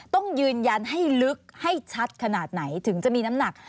ต้องยืนยันให้ลึกให้ชัดขนาดไหนถึงจะมีน้ำหนัก